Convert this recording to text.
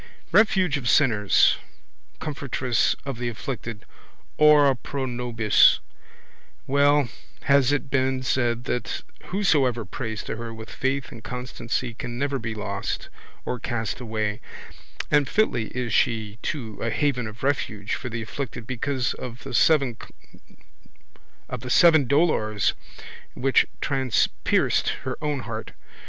Refuge of sinners. Comfortress of the afflicted. Ora pro nobis. Well has it been said that whosoever prays to her with faith and constancy can never be lost or cast away: and fitly is she too a haven of refuge for the afflicted because of the seven dolours which transpierced her own heart.